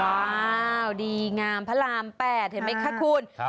ว้าวดีงามพระราม๘เห็นไหมคะคุณ